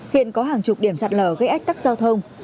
hiện có hàng chục điểm sạt lở gây ách tắc giao thông